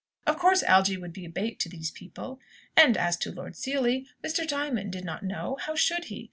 Of course Algy would be a bait to these people! And as to Lord Seely, Mr. Diamond did not know (how should he?